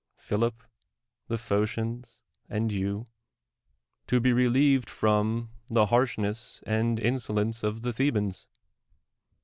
Philip, the Phocians, and you, to be relievi^d from the harsh ness and insolence of the TlK hans.